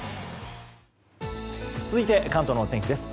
続いて関東の天気です。